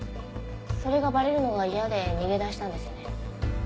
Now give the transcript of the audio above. それがバレるのが嫌で逃げ出したんですね。